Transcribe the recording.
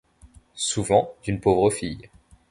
Souvent d’une pauvre fille